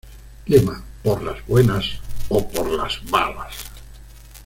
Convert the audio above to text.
Lema: "¡Por las buenas o por las balas!